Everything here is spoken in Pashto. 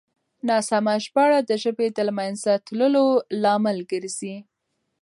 ناسمه ژباړه د ژبې د له منځه تللو لامل ګرځي.